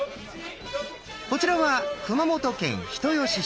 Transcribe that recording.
こちらは熊本県人吉市。